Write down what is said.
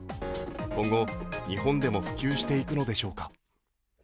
今後、日本でも普及していくのでしょうか？